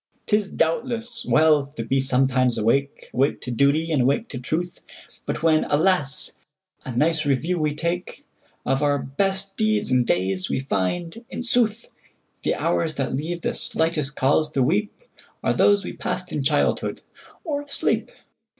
'T is, doubtless, well to be sometimes awake,—Awake to duty, and awake to truth,—But when, alas! a nice review we takeOf our best deeds and days, we find, in sooth, The hours that leave the slightest cause to weepAre those we passed in childhood or asleep!